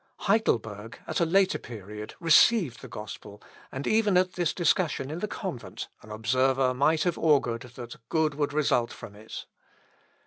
Heidelberg, at a later period, received the gospel, and even at this discussion in the convent, an observer might have augured that good would result from it.